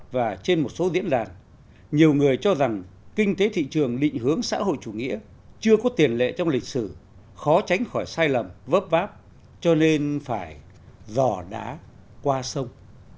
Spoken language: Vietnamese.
và trên một số diễn đàn nhiều người cho rằng kinh tế thị trường định hướng xã hội chủ nghĩa chưa có tiền lệ trong lịch sử khó tránh khỏi sai lầm vấp váp cho nên phải dò đá qua sông